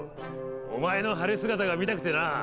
お前の晴れ姿が見たくてなぁ。